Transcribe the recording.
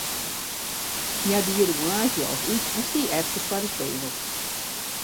Hja die de moarnsjas út en stie efkes foar de spegel.